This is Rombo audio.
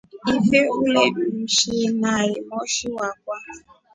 Ife umleshinai moshi wakwa.